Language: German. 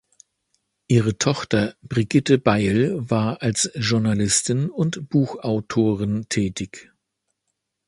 Ihre Tochter Brigitte Beil war als Journalistin und Buchautorin tätig.